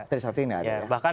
tersekti nggak ada ya